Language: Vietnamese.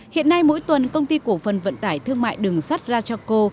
hiện nay mỗi tuần công ty cổ phần vận tải thương mại đường sắt rachaco